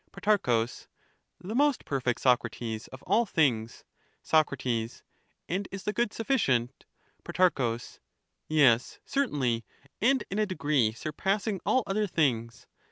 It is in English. Pro. The most perfect, Socrates, of all things. Soc, And is the good sufficient? Pro, Yes, certainly, and in a degree surpassing all other things.